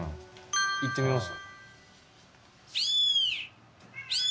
行ってみます。